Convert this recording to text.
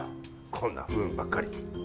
こんな不運ばっかりで。